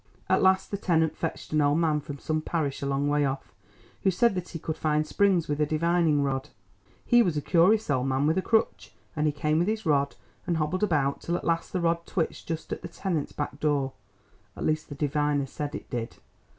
At last the tenant fetched an old man from some parish a long way off, who said that he could find springs with a divining rod. He was a curious old man with a crutch, and he came with his rod, and hobbled about till at last the rod twitched just at the tenant's back door—at least the diviner said it did.